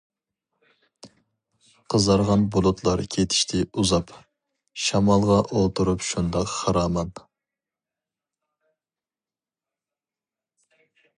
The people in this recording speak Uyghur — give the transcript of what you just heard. قىزارغان بۇلۇتلار كېتىشتى ئۇزاپ، شامالغا ئولتۇرۇپ شۇنداق خىرامان.